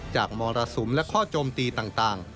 มรสุมและข้อโจมตีต่าง